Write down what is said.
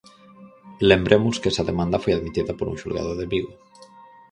Lembremos que esa demanda foi admitida por un xulgado de Vigo.